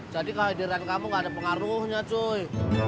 jadi kehadiran kamu gak ada pengaruhnya cuy